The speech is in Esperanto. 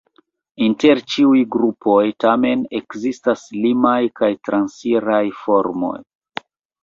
Inter ĉiuj grupoj tamen ekzistas limaj kaj transiraj formoj.